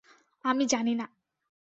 আমি জানি না!